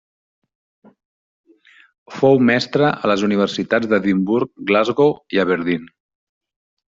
Fou mestre a les universitats d'Edimburg, Glasgow i Aberdeen.